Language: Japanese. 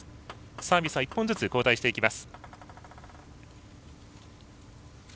サービスは１本ずつ交代します。